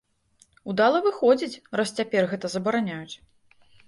Удала, выходзіць, раз цяпер гэта забараняюць.